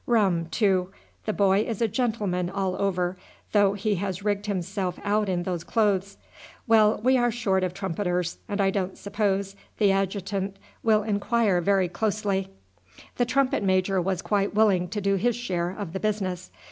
Rum, too. The boy is a gentleman all over, though he has rigged himself out in those clothes. Well, we are short of trumpeters, and I don't suppose the adjutant will inquire very closely." The trumpet major was quite willing to do his share of the business.